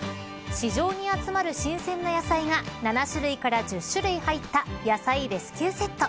市場に集まる新鮮な野菜が７種類から１０種類入った野菜レスキューセット。